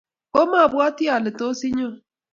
Komapwoti ale tos inyo